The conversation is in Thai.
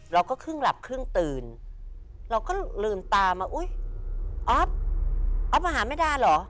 ครึ่งหลับครึ่งตื่นเราก็ลืมตามาอุ๊ยอ๊อฟออฟมาหาแม่ดาเหรอ